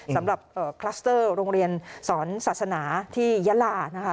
คลัสเตอร์โรงเรียนสอนศาสนาที่ยะลานะคะ